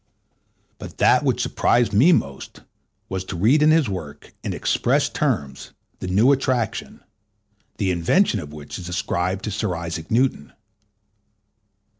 But that which surprised me most was to read in his work, in express terms, the new attraction, the invention of which is ascribed to Sir Isaac Newton.